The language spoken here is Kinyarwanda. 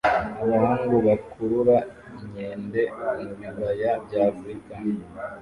Abahungu bakurura inkende mubibaya bya Afrika